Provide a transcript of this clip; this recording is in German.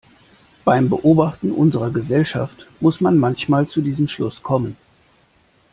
Beim Beobachten unserer Gesellschaft muss man manchmal zu diesem Schluss kommen.